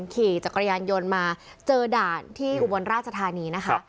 ขี่จักรยานยนต์มาเจอด่านที่อุบลราชธานีนะคะ